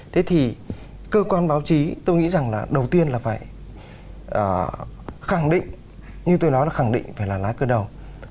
thế thì cơ quan báo chí tôi nghĩ rằng là đầu tiên là phải khẳng định như tôi nói là khẳng định phải là lái cơ đầu